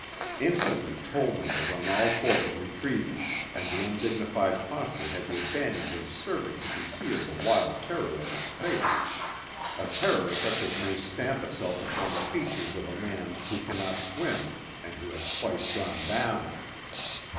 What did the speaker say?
Instantly Tollman was on all fours retrieving, and the undignified posture had the advantage of serving to conceal the wild terror of his face; a terror such as may stamp itself upon the features of a man who cannot swim and who has twice gone down.